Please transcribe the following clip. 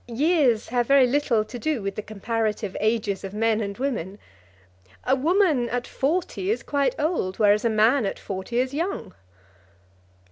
Years have very little to do with the comparative ages of men and women. A woman at forty is quite old, whereas a man at forty is young."